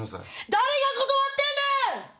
誰が断ってんねん